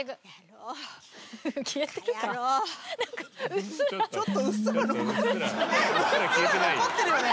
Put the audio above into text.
うっすら残ってるよね？